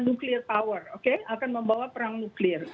nuklir power akan membawa perang nuklir